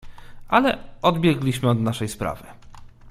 "Ale odbiegliśmy od naszej sprawy."